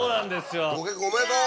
ご結婚おめでとう！